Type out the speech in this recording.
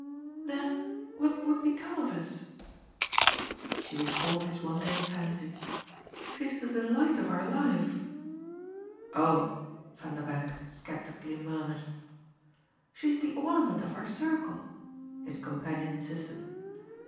Then what would become of us?" She recalled his wandering fancy. "She's the delight of our life." "Oh!" Vanderbank sceptically murmured. "She's the ornament of our circle," his companion insisted.